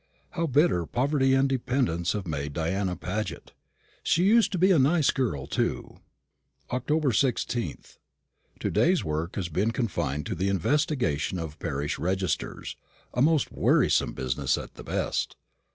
How bitter poverty and dependence have made Diana Paget! She used to be a nice girl too. Oct. 16th. To day's work has been confined to the investigation of parish registers a most wearisome business at the best.